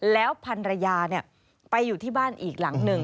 แล้วพันรยาไปอยู่ที่บ้านอีกหลังหนึ่ง